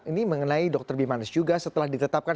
ini mengenai dr bimanes juga setelah ditetapkan